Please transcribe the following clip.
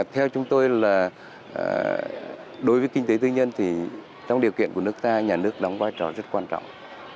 theo chúng tôi là đối với kinh tế tư nhân thì trong điều kiện của nước ta nhà nước đóng vai trò rất quan trọng